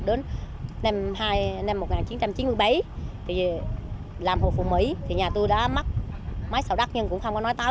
đến năm một nghìn chín trăm chín mươi bảy làm hồ phù mỹ nhà tôi đã mắc máy sầu đắt nhưng cũng không có nói tao